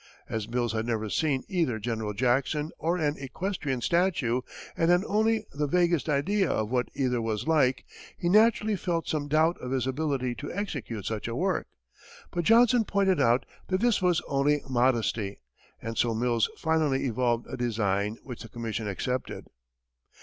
As Mills had never seen either General Jackson or an equestrian statue, and had only the vaguest idea of what either was like, he naturally felt some doubt of his ability to execute such a work; but Johnson pointed out that this was only modesty, and so Mills finally evolved a design, which the commission accepted.